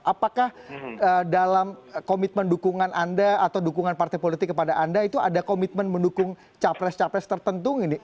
apakah dalam komitmen dukungan anda atau dukungan partai politik kepada anda itu ada komitmen mendukung capres capres tertentu ini